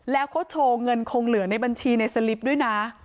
แล้วเขาโชว์เงินคงเหลือในบัญชีในสลิปด้วยนะ